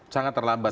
sangat terlambat ya